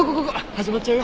始まっちゃうよ！